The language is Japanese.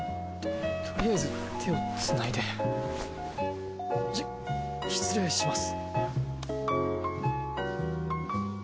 とりあえず手をつないでし失礼します。